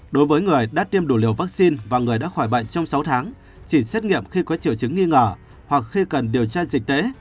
đối với người đã tiêm đủ liều vaccine và người đã khỏi bệnh trong sáu tháng chỉ xét nghiệm khi có triệu chứng nghi ngờ hoặc khi cần điều tra dịch tễ